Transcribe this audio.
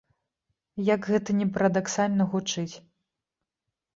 Як гэта ні парадаксальна гучыць.